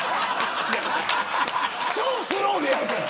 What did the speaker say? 超スローでやるから。